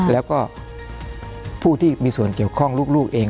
แล้วก็ผู้ที่มีส่วนเกี่ยวข้องลูกเอง